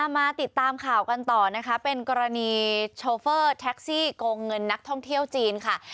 มาติดตามข่าวกันต่อนะคะเป็นกรณีโชเฟอร์แท็กซี่โกงเงินนักท่องเที่ยวจีนค่ะ